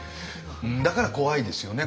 だから怖いですよね